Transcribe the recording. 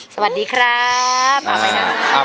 สวัสดีครับ